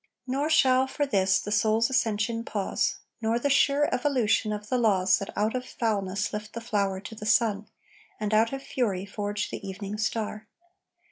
Nor shall, for this, the soul's ascension pause, Nor the sure evolution of the laws That out of foulness lift the flower to sun, And out of fury forge the evening star.